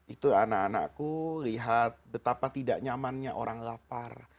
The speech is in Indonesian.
itu anak anakku lihat betapa tidak nyamannya orang lapar